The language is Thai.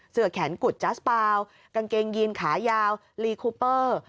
แขนกุดจาสเปล่ากางเกงยีนขายาวลีคูเปอร์